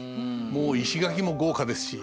もう石垣も豪華ですし。